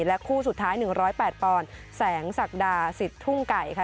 และคู่สุดท้าย๑๐๘ปอนด์แสงศักดาศิษย์ทุ่งไก่ค่ะ